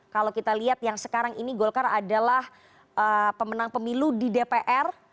kalau kita lihat yang sekarang ini golkar adalah pemenang pemilu di dpr